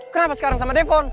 kenapa sekarang sama defon